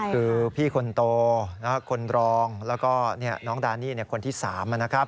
คือพี่คนโตคนรองแล้วก็น้องดานี่คนที่๓นะครับ